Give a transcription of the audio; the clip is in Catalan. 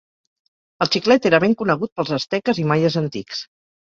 El xiclet era ben conegut pels asteques i maies antics.